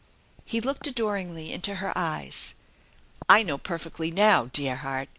He looked adoringly into her eyes. " I know perfectly now, dear heart !